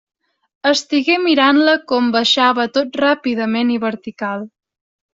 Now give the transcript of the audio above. Estigué mirant-la com baixava tot ràpidament i vertical.